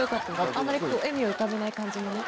あんまり笑みを浮かべない感じもね。